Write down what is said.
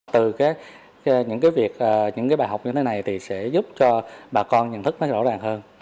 từ những cái việc những cái bài học như thế này thì sẽ giúp cho bà con nhận thức nó rõ ràng hơn